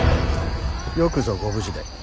よくぞご無事で。